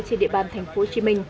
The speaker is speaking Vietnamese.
trên địa bàn tp hcm